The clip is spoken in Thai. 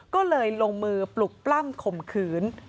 ก็เลยลงมือปลุกปล้ำข่มขืน